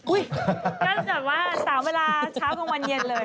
น่าจะแบบว่า๓เวลาเช้ากลางวันเย็นเลย